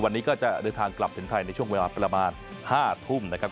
วันนี้ก็จะเดินทางกลับถึงไทยในช่วงเวลาประมาณ๕ทุ่มนะครับ